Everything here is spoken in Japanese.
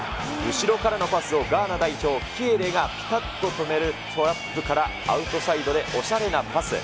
後ろからのパスをガーナ代表、キエレがぴたっと止めるトラップからアウトサイドでおしゃれなパス。